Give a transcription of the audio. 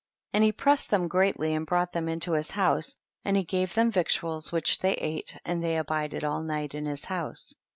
47. And he pressed them greatly and brought them into his house, and he gave them victuals which they ate, and they abided all night in his house.